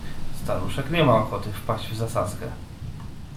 "Staruszek nie ma ochoty wpaść w zasadzkę."